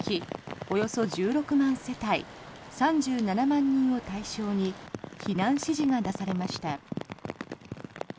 およそ１６万世帯３７万人を対象に避難指示が出されました。